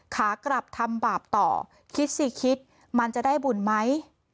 ขากลับทำบาปต่อคิดสิคิดมันจะได้บุญไหม